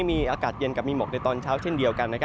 มีอากาศเย็นกับมีหมอกในตอนเช้าเช่นเดียวกัน